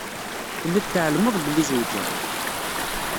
Telliḍ tɛelmeḍ belli zewǧeɣ.